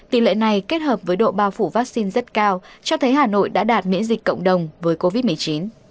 tỷ lệ này kết hợp với độ bao phủ vaccine rất cao cho thấy hà nội đã đạt miễn dịch cộng đồng với covid một mươi chín